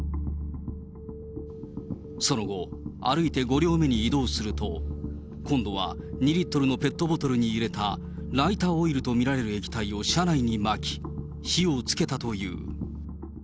その後、歩いて５両目に移動すると、今度は２リットルのペットボトルに入れたライターオイルと見られる液体を車内にまき、火をつけたという。